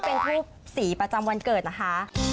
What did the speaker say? เป็นทูปสีประจำวันเกิดนะคะ